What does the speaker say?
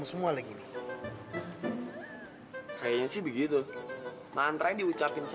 sampai jumpa di video selanjutnya